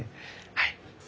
はい。